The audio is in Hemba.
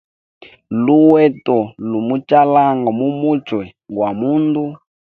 Luheto lu muchalanga mu muchwe gwa mundu.